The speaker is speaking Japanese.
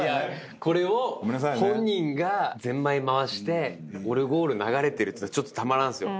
これを本人がぜんまい回してオルゴール流れてるってちょっとたまらんすよ。